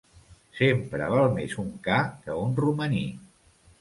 Sempre val més un ca que un romaní.